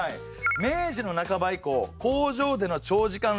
明治の半ば以降工場での長時間労働